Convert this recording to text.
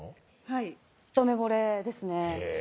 はい一目ぼれですね